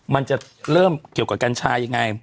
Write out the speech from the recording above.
มันจะเริ่มเกี่ยวกับกัญชายังไง